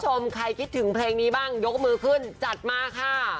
ชมใครคิดถึงเพลงนี้บ้างยกมือขึ้นจัดมาค่ะ